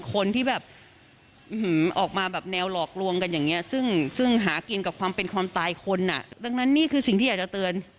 กับความเป็นความตายคนดังนั้นนี่คือสิ่งที่อยากจะเตือน